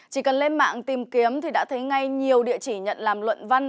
chỉ cần lên mạng tìm kiếm thì đã thấy ngay nhiều địa chỉ nhận làm luận văn